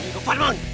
lo juga berjuang mon